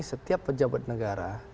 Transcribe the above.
setiap pejabat negara